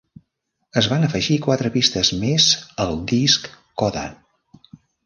Es van afegir quatre pistes més al disc "Coda".